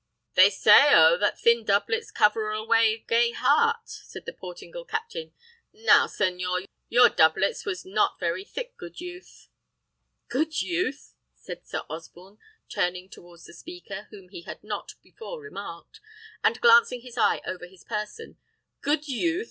"They sayo that thin doublets cover alway gay heart," said the Portingal captain. "Now, senhor! your doublets was not very thick, good youth." "Good youth!" said Sir Osborne, turning towards the speaker, whom he had not before remarked, and glancing his eye over his person; "good youth!